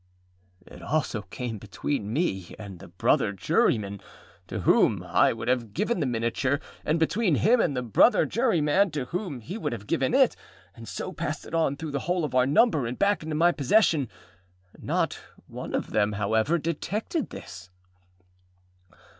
â It also came between me and the brother juryman to whom I would have given the miniature, and between him and the brother juryman to whom he would have given it, and so passed it on through the whole of our number, and back into my possession. Not one of them, however, detected this.